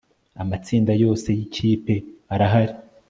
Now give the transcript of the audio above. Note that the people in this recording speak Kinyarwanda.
amatsinda yose yikipe arahari